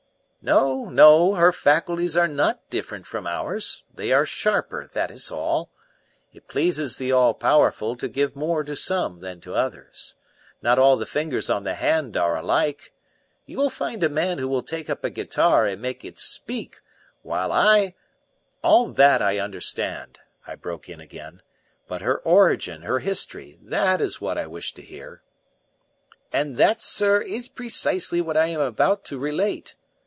"No, no, her faculties are not different from ours. They are sharper, that is all. It pleases the All Powerful to give more to some than to others. Not all the fingers on the hand are alike. You will find a man who will take up a guitar and make it speak, while I " "All that I understand," I broke in again. "But her origin, her history that is what I wish to hear." "And that, sir, is precisely what I am about to relate.